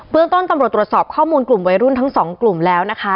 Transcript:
เรื่องต้นตำรวจตรวจสอบข้อมูลกลุ่มวัยรุ่นทั้งสองกลุ่มแล้วนะคะ